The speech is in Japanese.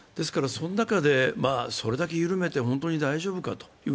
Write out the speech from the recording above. その中でそれだけ緩めて本当に大丈夫かと。